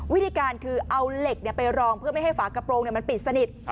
วิธีการคือเอาเหล็กไปรองเพื่อไม่ให้ฝากระโปรงมันปิดสนิท